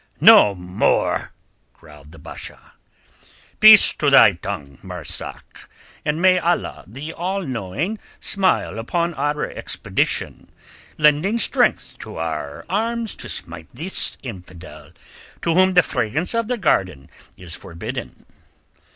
"No more!" growled the Basha. "Peace to thy tongue, Marzak, and may Allah the All knowing smile upon our expedition, lending strength to our arms to smite the infidel to whom the fragrance of the garden is forbidden."